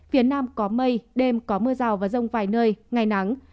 phía nam có mây đêm có mưa rào và rông vài nơi ngày nắng